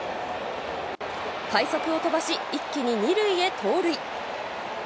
快足を飛ばし、一気に２塁へ盗塁。